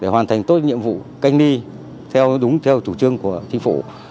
hoàn thành tốt nhiệm vụ canh ly theo đúng theo chủ trương của thị phụ